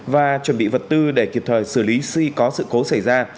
và chuẩn bị vật tư để kịp thời xử lý khi có sự cố xảy ra